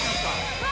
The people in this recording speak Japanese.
うわ。